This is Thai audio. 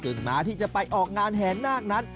ม้าที่จะไปออกงานแห่นาคนั้น